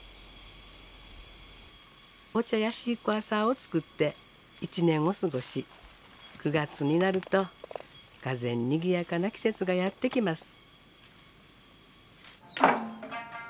お茶やシークワーサーを作って一年を過ごし９月になるとがぜんにぎやかな季節がやって来ます。